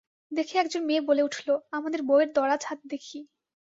দেখে একজন মেয়ে বলে উঠল, আমাদের বউয়ের দরাজ হাত দেখি!